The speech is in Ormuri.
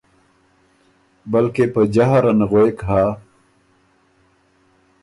بلکې په جهر ان غوېک هۀ